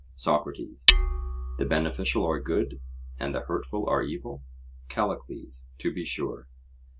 SOCRATES: The beneficial are good, and the hurtful are evil? CALLICLES: To be sure.